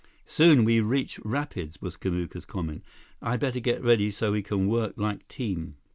"Soon we reach rapids," was Kamuka's comment. "I better get ready so we can work like team."